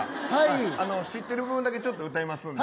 知ってる部分だけ歌いますんで。